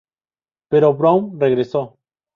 Pero Brown regresó.